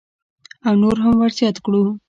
او نور هم ورزیات کړو.